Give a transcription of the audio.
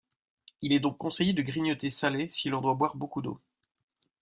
Il est donc conseillé de grignoter salé si l'on doit boire beaucoup d'eau.